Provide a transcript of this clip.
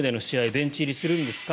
ベンチ入りするんですか？